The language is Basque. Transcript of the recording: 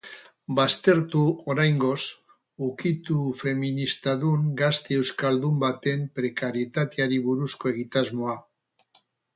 Baztertu, oraingoz, ukitu feministadun gazte euskaldun baten prekarietateari buruzko egitasmoa.